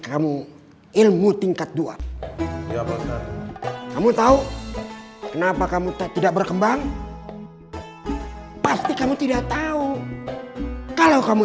kamu ilmu tingkat dua kamu tahu kenapa kamu tidak berkembang pasti kamu tidak tahu kalau kamu